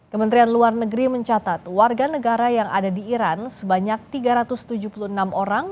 kementerian luar negeri mencatat warga negara yang ada di iran sebanyak tiga ratus tujuh puluh enam orang